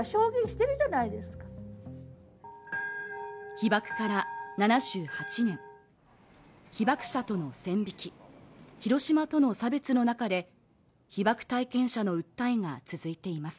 被爆から７８年被爆者との線引き広島との差別の中で被爆体験者の訴えが続いています